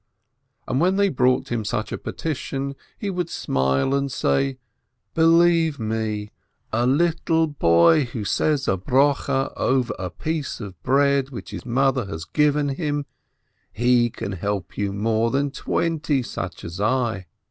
But when they brought him such a petition, he would smile and say: "Believe me, a little boy who says grace over a piece of bread which his mother has given him, he can help you more than twenty such as I."